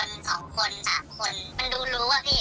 อาจจะไม่ได้เห็นชัดแล้วแต่ว่ามันดูแล้วก็รู้อ่ะ